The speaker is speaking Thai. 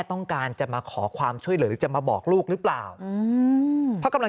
ต้องการจะมาขอความช่วยเหลือจะมาบอกลูกหรือเปล่าอืมเพราะกำลัง